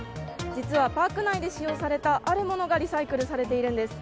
実はパーク内で使用されたあるものがリサイクルされているんです。